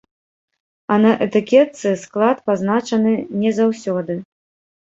А на этыкетцы склад пазначаны не заўсёды.